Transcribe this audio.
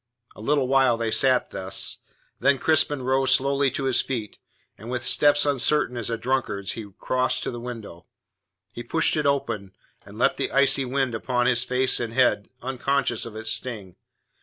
A little while they sat thus, then Crispin rose slowly to his feet, and with steps uncertain as a drunkard's he crossed to the window. He pushed it open, and let the icy wind upon his face and head, unconscious of its sting.